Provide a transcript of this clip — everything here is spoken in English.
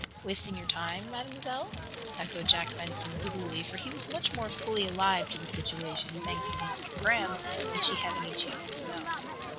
"Wasting your time, Mademoiselle?" echoed Jack Benson, coolly, for he was much more fully alive to the situation, thanks to Mr Graham, than she had any chance to know.